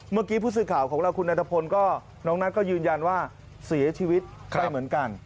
ผู้สื่อข่าวของเราคุณนัทพลก็น้องนัทก็ยืนยันว่าเสียชีวิตไปเหมือนกัน